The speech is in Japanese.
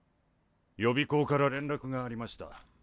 予備校から連絡がありました。